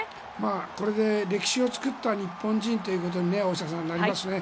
これで、歴史を作った日本人ということになりますね。